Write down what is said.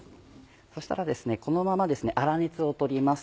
そしたらこのまま粗熱を取ります。